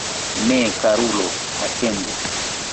Ne, karulo, atendu!